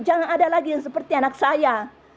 jangan ada lagi yang seperti anak saya